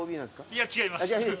いや違います。